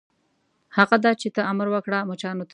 هغه دا چې ته امر وکړه مچانو ته.